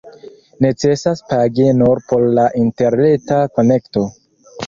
Necesas pagi nur por la interreta konekto.